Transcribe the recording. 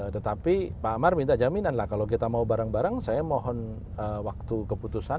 tetapi pak amar minta jaminan lah kalau kita mau bareng bareng saya mohon waktu keputusan